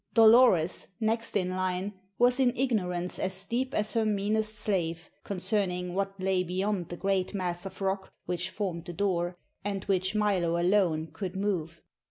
Dolores, next in line, was in ignorance as deep as her meanest slave, concerning what lay beyond the great mass of rock which formed the door, and which Milo alone could move.